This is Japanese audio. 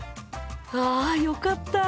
あよかった！